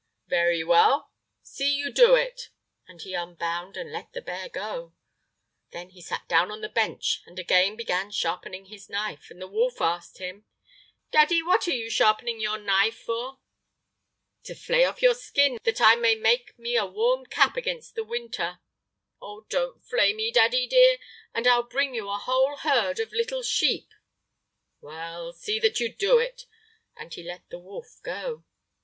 "Very well, see you do it," and he unbound and let the bear go. Then he sat down on the bench and again began sharpening his knife. And the wolf asked him: "Daddy, what are you sharpening your knife for?" "To flay off your skin, that I may make me a warm cap against the winter." "Oh! Don't flay me, daddy dear, and I'll bring you a whole herd of little sheep." "Well, see that you do it," and he let the wolf go.